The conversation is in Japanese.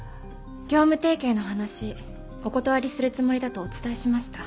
業務提携の話お断りするつもりだとお伝えしました。